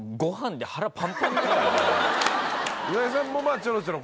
岩井さんもまあちょろちょろ。